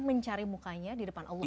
mencari mukanya di depan allah